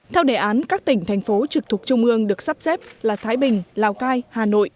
theo đề án các tỉnh thành phố trực thuộc trung ương được sắp xếp là thái bình lào cai hà nội